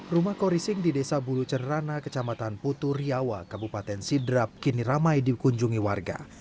rumah korising di desa bulucerana kecamatan putu riawa kabupaten sidrap kini ramai dikunjungi warga